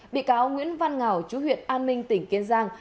bị cáo nguyễn văn ngào chú huyện an minh tỉnh kiên giang